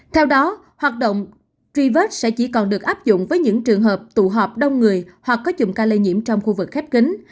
theo đó hoạt động truy vết sẽ chỉ còn được áp dụng với những trường hợp tụ họp đông người hoặc có chùm ca lây nhiễm trong khu vực khép kính